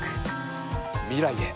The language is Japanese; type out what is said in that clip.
未来へ。